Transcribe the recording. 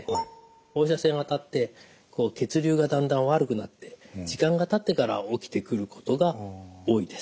放射線当たって血流がだんだん悪くなって時間がたってから起きてくることが多いです。